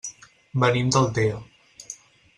Venim d'Altea.